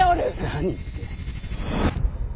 何って。